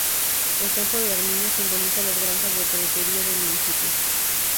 El campo de armiño simboliza las granjas de peletería del municipio.